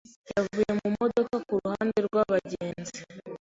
yavuye mu modoka kuruhande rwabagenzi.